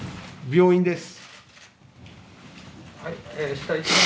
病院です。